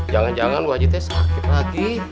jangan jangan bu haji sakit lagi